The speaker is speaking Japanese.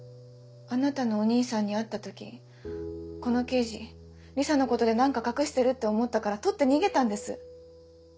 あなたのお兄さんに会った時この刑事リサのことで何か隠してるって思ったから盗って逃げたんです。